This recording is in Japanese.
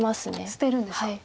捨てるんですか。